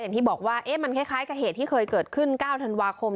อย่างที่บอกว่ามันคล้ายกับเหตุที่เคยเกิดขึ้น๙ธันวาคม